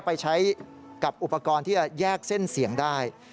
ไปใช้กับอุปกรณ์ที่จะแยกเส้นเสียงได้